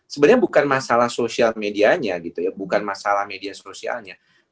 sebenarnya bukan masalah sosial medianya gitu ya bukan masalah media sosialnya